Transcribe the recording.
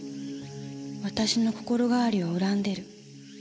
「私の心変わりを恨んでる」